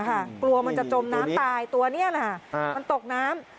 กลัวมันจะจมน้ำตายตัวนี้มันตกน้ำ